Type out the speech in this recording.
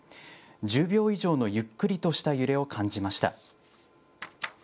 １０秒以上のゆっくりとした揺れを感じました。